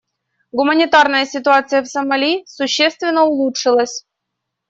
Гуманитарная ситуация в Сомали существенно улучшилась.